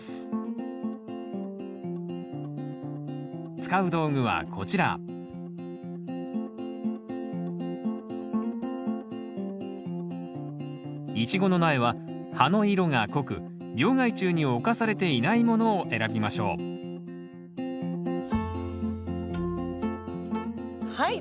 使う道具はこちらイチゴの苗は葉の色が濃く病害虫に侵されていないものを選びましょうはい。